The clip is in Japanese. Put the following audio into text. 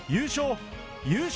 優勝！